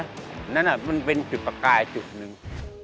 นั่นมันเป็นจุดประกายจุดหนึ่ง